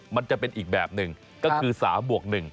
มันจะเป็นอีกแบบหนึ่งก็คือ๓บวก๑